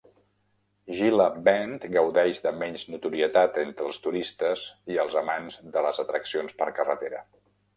Gila Bend gaudeix de menys notorietat entre els turistes i els amants de les atraccions per carretera.